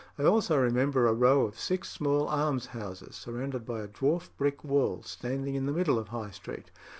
I also remember a row of six small almshouses, surrounded by a dwarf brick wall, standing in the middle of High Street.